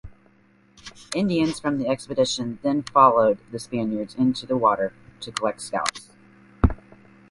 Indians from the expedition then followed the Spaniards into the water to collect scalps.